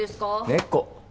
猫。